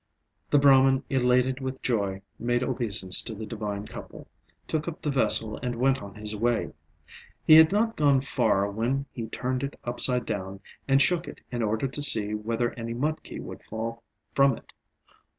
The Brahman, elated with joy, made obeisance to the divine couple, took up the vessel, and went on his way. He had not gone far when he turned it upside down, and shook it in order to see whether any mudki would fall from it.